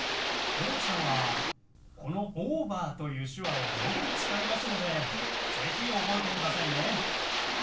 ろう者はこの「オーバー」という手話をよく使いますので是非覚えてくださいね。